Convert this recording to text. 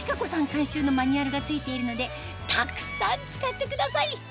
監修のマニュアルが付いているのでたくさん使ってください！